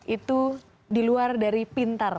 itu di luar dari pintar